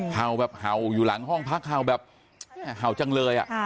เห่าแบบเห่าอยู่หลังห้องพักเห่าแบบแม่เห่าจังเลย